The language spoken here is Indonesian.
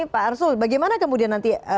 pak arsul bagaimana kemudian nanti